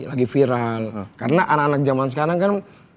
lagi viral karena anak anak zaman sekarang kan